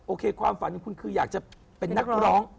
โอเคความฝันคุณคืออยากจะเป็นนักร้อง